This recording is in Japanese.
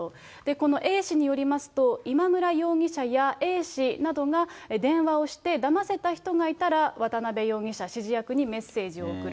このＡ氏によりますと、今村容疑者やＡ氏などが電話をして、だませた人がいたら、渡辺容疑者、指示役にメッセージを送る。